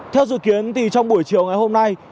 theo dự kiến trong buổi chiều ngày hôm nay